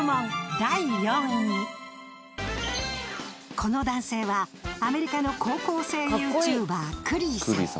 この男性はアメリカの高校生ＹｏｕＴｕｂｅｒクリーさん。